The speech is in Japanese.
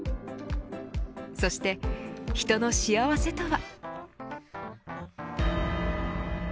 そして人の幸せとは。